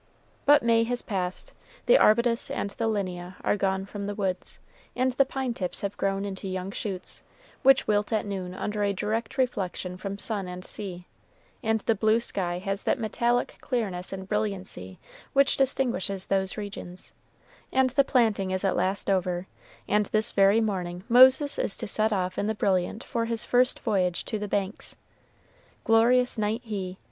But May has passed; the arbutus and the Linnea are gone from the woods, and the pine tips have grown into young shoots, which wilt at noon under a direct reflection from sun and sea, and the blue sky has that metallic clearness and brilliancy which distinguishes those regions, and the planting is at last over, and this very morning Moses is to set off in the Brilliant for his first voyage to the Banks. Glorious knight he!